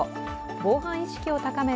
防犯意識を高める